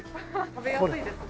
食べやすいですもんね。